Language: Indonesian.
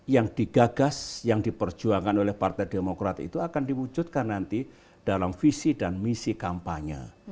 yang digagas yang diperjuangkan oleh partai demokrat itu akan diwujudkan nanti dalam visi dan misi kampanye